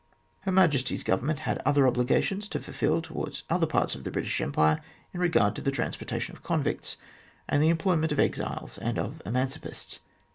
Her Majesty's Government had other obligations to fulfil towards other parts of the British Empire in regard to the transportation of convicts and the employment of exiles and of emancipists.